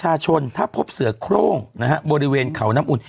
ยังไงยังไงยังไง